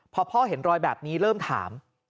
พอพ่อเห็นรอยแบบนี้เริ่มถาม